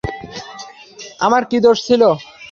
আমার কি দোষ ছিল?